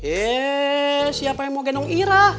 eh siapa yang mau gendong ira